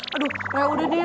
aduh yaudah deh